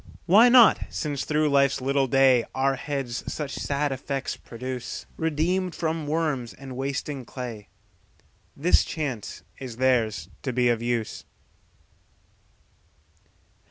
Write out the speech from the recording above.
Why not since through life's little dayOur heads such sad effects produce? Redeemed from worms and wasting clay, This chance is theirs to be of use.